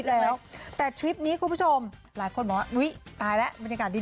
แล้วแต่ทริปนี้คุณผู้ชมหลายคนบอกว่าอุ้ยตายแล้วบรรยากาศดี